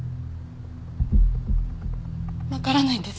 わからないんです